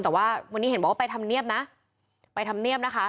แต่ว่าวันนี้เห็นบอกว่าไปทำเนียบนะไปทำเนียบนะคะ